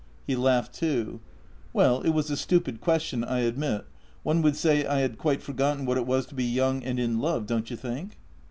He laughed too. " Well, it was a stupid question, I admit. One would say I had quite forgotten what it was to be young and in love, don't you think?